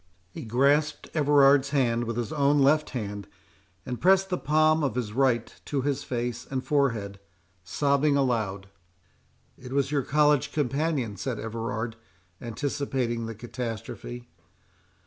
He grasped Everard's hand with his own left hand, and pressed the palm of his right to his face and forehead, sobbing aloud. "It was your college companion?" said Everard, anticipating the catastrophe.